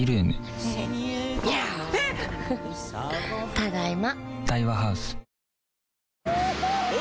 ただいま。